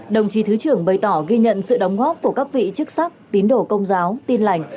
đồng chí thứ trưởng bày tỏ ghi nhận sự đóng góp của các vị chức sắc tín đồ công giáo tin lành